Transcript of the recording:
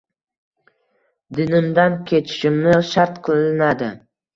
Dinimdan kechishimni shart qilinadi